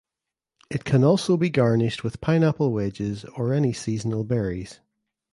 It can also be garnished with pineapple wedges or any seasonal berries.